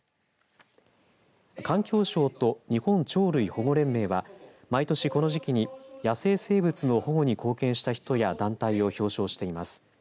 環境省と日本鳥類保護連盟は毎年この時期に野生生物の保護に貢献した人や団体を表彰しています。